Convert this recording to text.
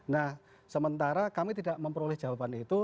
nah sementara kami tidak memperoleh jawaban itu